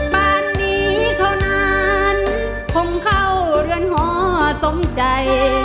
บ้านนี้เท่านั้นคงเข้าเรือนหอสมใจ